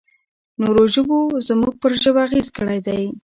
نورو ژبو زموږ پر ژبه اغېز کړی دی.